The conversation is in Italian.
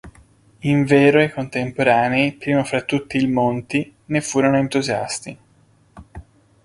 Invero i contemporanei, primo fra tutti il Monti, ne furono entusiasti.